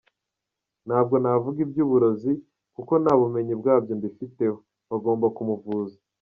Ntabwo navuga iby’uburozi kuko nta bumenyi bwabyo mbifitemo, bagomba kumuvuza.